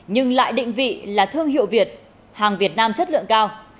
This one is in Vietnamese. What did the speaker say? nhưng lại định vị là thương hiệu việt hàng việt nam chất lượng cao